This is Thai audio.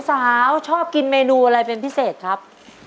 สาวชอบกินเมนูอะไรเป็นพิเศษครับ